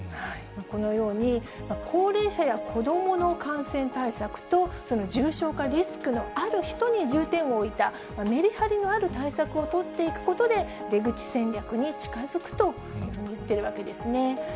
このように、高齢者や子どもの感染対策と、その重症化リスクのある人に重点を置いたメリハリのある対策を取っていくことで、出口戦略に近づくと言っているわけですね。